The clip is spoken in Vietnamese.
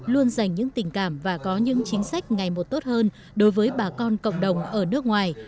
luôn dành những tình cảm và có những chính sách ngày một tốt hơn đối với bà con cộng đồng ở nước ngoài